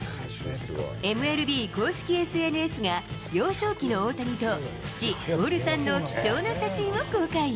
ＭＬＢ公式ＳＮＳが、幼少期の大谷と父、徹さんの貴重な写真を公開。